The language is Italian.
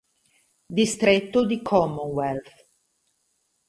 Distretto di Commonwealth